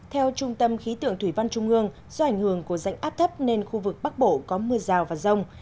theo trung tâm khí tượng thủy văn trung ương do ảnh hưởng của rãnh áp thấp nên khu vực bắc bộ có mưa rào và rông